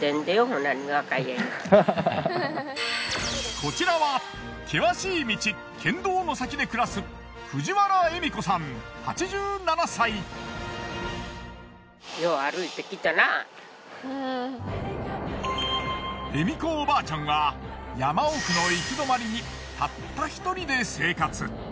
こちらは険しい道エミ子おばあちゃんは山奥の行き止まりにたった一人で生活。